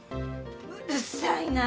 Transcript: うるさいなもう。